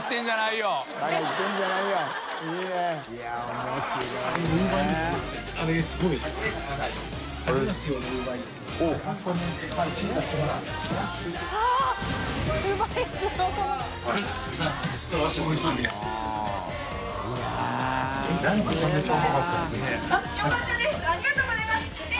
茲辰燭任ありがとうございます！